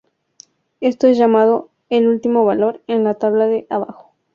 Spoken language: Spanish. Esto es llamado "el último valor" en la tabla de abajo.